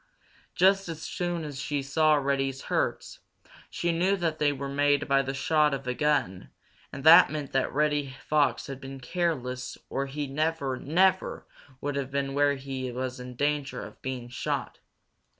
Just as soon as she saw Reddy's hurts, she knew that they were made by shot from a gun, and that meant that Reddy Fox had been careless or he never, never would have been where he was in danger of being shot.